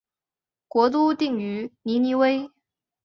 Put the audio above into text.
国都定于尼尼微。